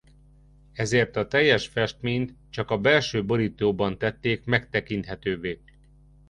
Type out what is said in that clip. Ezért a teljes festményt csak a belső borítóban tették megtekinthetővé.